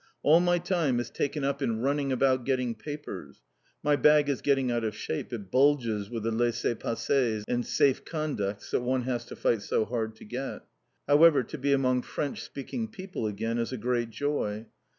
All my time is taken up in running about getting papers; my bag is getting out of shape; it bulges with the Laisser Passers, and Sauf Conduits that one has to fight so hard to get. However, to be among French speaking people again is a great joy.